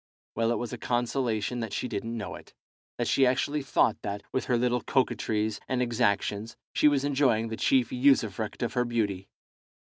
Well, it was a consolation that she didn't know it, that she actually thought that, with her little coquetries and exactions, she was enjoying the chief usufruct of her beauty.